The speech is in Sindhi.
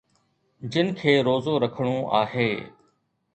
جن کي روزو رکڻو آهي.